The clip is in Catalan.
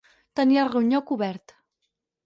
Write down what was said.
Tenir el ronyó cobert.